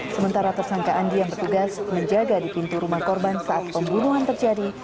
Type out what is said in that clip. sementara tersangka andi yang bertugas menjaga di pintu rumah korban saat pembunuhan terjadi